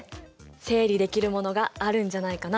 整理できるものがあるんじゃないかな？